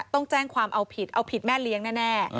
ต้องแจ้งความเอาผิดเอาผิดแม่เลี้ยงแน่